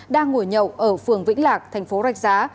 đang ngồi nhậu ở phường vĩnh lạc thành phố rạch giá